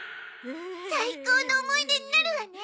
最高の思い出になるわね。